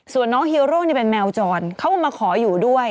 ส่วนน้องฮีโร่นี่เป็นแมวจรเขาก็มาขออยู่ด้วย